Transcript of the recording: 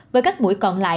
với các mũi còn lại